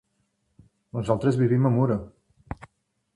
Nosaltres vivim a Muro.